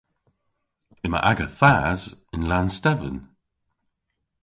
Yma aga thas yn Lannstevan.